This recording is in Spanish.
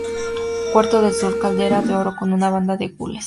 Cuarto de sur, caldera de oro con una banda de gules.